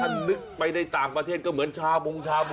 ถ้านึกไปในต่างประเทศก็เหมือนชาบงชาบง